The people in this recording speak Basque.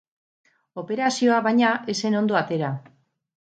Operazioa, baina, ez zen ondo atera.